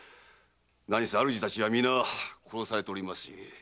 なにせ主たちは皆殺されておりますゆえ。